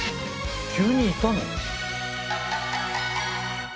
急にいたの？